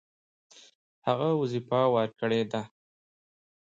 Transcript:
هغه وظیفه ورکړې ده.